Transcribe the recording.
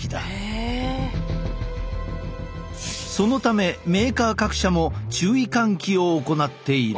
そのためメーカー各社も注意喚起を行っている。